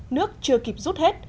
nước chưa kịp rút hết